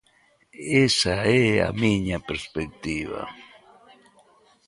Esa é a miña perspectiva.